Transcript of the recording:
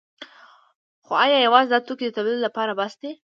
خو ایا یوازې دا توکي د تولید لپاره بس دي؟